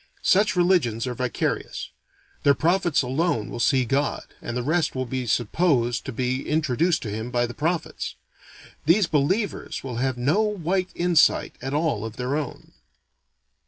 Such religions are vicarious; their prophets alone will see God, and the rest will be supposed to be introduced to him by the prophets. These "believers" will have no white insight at all of their own.